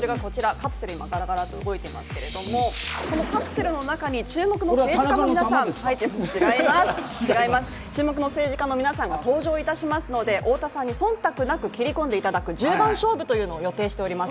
カプセル、今、ガラガラと動いてますが、カプセルの中に注目の政治家の皆さんが入っています、登場しますので忖度なく、切り込んでいただく１０番勝負を予定しています。